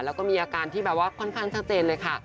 แล้วก็มีอาการที่แบบว่าค่อนข้างชัดเจนเลยค่ะ